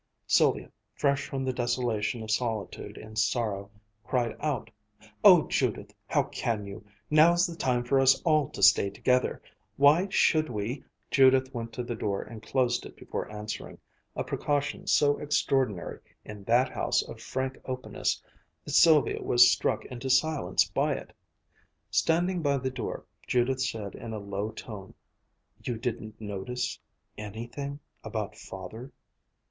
Sylvia, fresh from the desolation of solitude in sorrow, cried out: "Oh, Judith, how can you! Now's the time for us all to stay together! Why should we ?" Judith went to the door and closed it before answering, a precaution so extraordinary in that house of frank openness that Sylvia was struck into silence by it. Standing by the door, Judith said in a low tone, "You didn't notice anything about Father?"